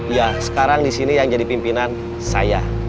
iya sekarang disini yang jadi pimpinan saya